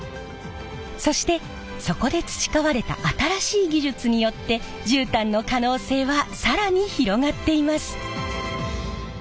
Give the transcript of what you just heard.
そしてそこで培われた新しい技術によって絨毯の可能性は更に広がっています。